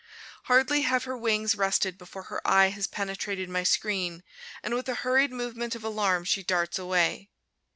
Hardly have her wings rested before her eye has penetrated my screen, and with a hurried movement of alarm she darts away.